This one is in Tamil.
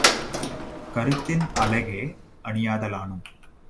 கருத்தின் அழகே அணியாதலானும்